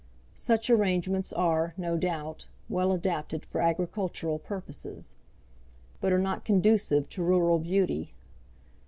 Such arrangements are, no doubt, well adapted for agricultural purposes, but are not conducive to rural beauty.